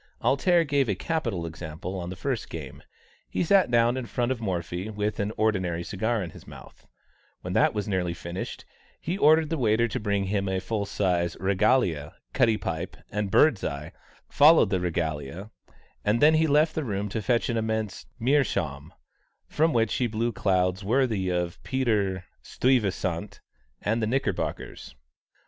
"Alter" gave a capital example on the first game: he sat down in front of Morphy with an ordinary cigar in his mouth; when that was nearly finished, he ordered the waiter to bring him a full sized regalia; cutty pipe and "birdseye" followed the regalia; and then he left the room to fetch an immense meerschaum, from which he blew clouds worthy of Peter Stuyvesant and the Knickerbockers.